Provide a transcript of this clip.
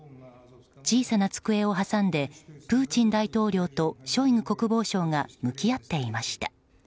小さな机を挟んでプーチン大統領とショイグ国防相が向き合っていました。